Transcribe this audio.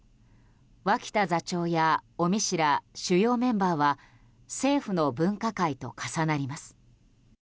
脇田座長や尾身氏ら主要メンバーは政府の分科会と重なります。